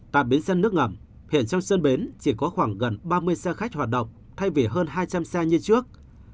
tại bến sân nước ngầm hiện trong sân bến chỉ có khoảng gần ba mươi xe khách hoạt động thay vì hơn hai trăm linh xe như trước